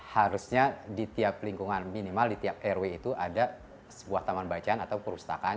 harusnya di tiap lingkungan minimal di tiap rw itu ada sebuah taman bacaan atau perpustakaan